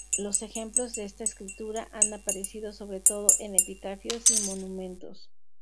Los ejemplos de esta escritura han aparecido sobre todo en los epitafios y monumentos.